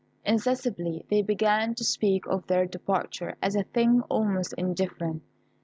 Insensibly they began to speak of their departure as a thing almost indifferent.